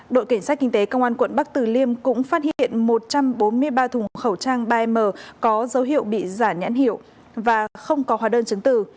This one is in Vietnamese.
đội cảnh sát kinh tế công an quận bắc tử liêm cũng phát hiện một trăm bốn mươi ba thùng khẩu trang ba m có dấu hiệu bị giả nhãn hiệu và không có hóa đơn chứng từ